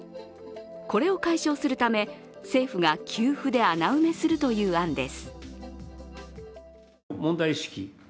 これを解消するため、政府が給付で穴埋めするという案です。